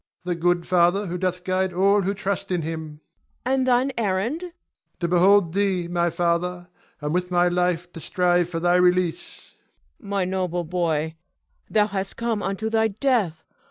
Ion. The good Father who doth guide all who trust in him. Cleon. And thine errand? Ion. To behold thee, my father, and with my life to strive for thy release. Cleon. My noble boy, thou hast come unto thy death.